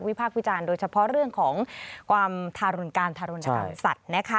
พากษ์วิจารณ์โดยเฉพาะเรื่องของความทารุณการทารุณกรรมสัตว์นะคะ